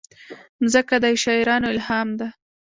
مځکه د شاعرانو الهام ده.